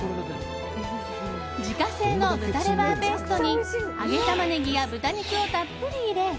自家製の豚レバーペーストに揚げタマネギや豚肉をたっぷり入れ